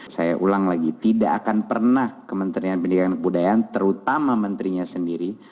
saya ulang lagi tidak akan pernah kementerian pendidikan kebudayaan terutama menterinya sendiri